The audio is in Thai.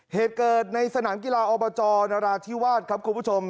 เหตุเกิดในสนามกีฬาอบจนราธิวาสครับคุณผู้ชม